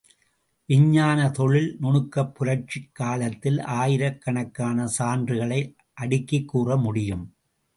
விஞ்ஞான தொழில் நுணுக்கப் புரட்சிக் காலத்தில் ஆயிரக்கணக்கான சான்றுகளை அடுக்கிக்கூற முடியும்.